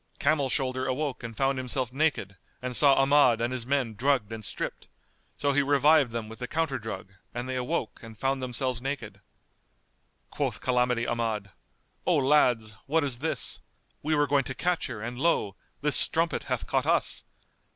Camel shoulder awoke and found himself naked and saw Ahmad and his men drugged and stripped: so he revived them with the counter drug and they awoke and found themselves naked. Quoth Calamity Ahmad, "O lads, what is this? We were going to catch her, and lo! this strumpet hath caught us!